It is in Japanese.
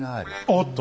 おっと？